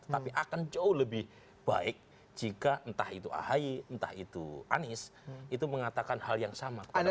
tapi akan jauh lebih baik jika entah itu ahy entah itu anies itu mengatakan hal yang sama